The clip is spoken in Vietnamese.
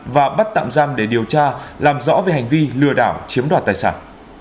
và bắt tạm giam để điều tra làm rõ về hành vi lừa đảo chiếm đoạt tài sản